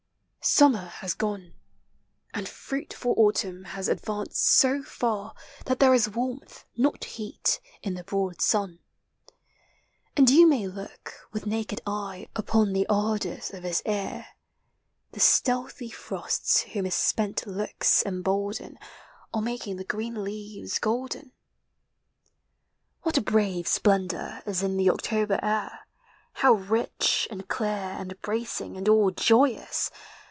I Summer has gone, And fruitful Autumn has advanced so far Thai there is warmth, not heat, in the broad sun, Ami vou may look, wi.h aaked eye, upon The ardors of his car; The stealthy frosts, whom his spent looks bolden, Are making the green leave* golden. 152 P0E1I8 OF NATURE. What a brave splendor Is in the October air ! how rich, and clear, And bracing, and all joyous!